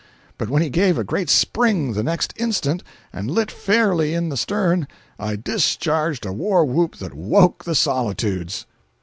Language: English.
But when he gave a great spring, the next instant, and lit fairly in the stern, I discharged a war whoop that woke the solitudes!